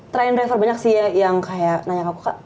train driver banyak sih yang kayak nanya ke aku kak